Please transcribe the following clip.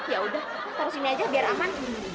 ya udah taro sini aja biar aman